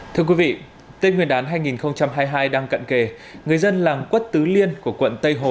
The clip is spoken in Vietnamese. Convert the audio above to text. thưa quý vị tết nguyên đán hai nghìn hai mươi hai đang cận kề người dân làng quất tứ liên của quận tây hồ